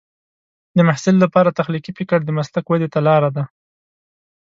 د محصل لپاره تخلیقي فکر د مسلک ودې ته لار ده.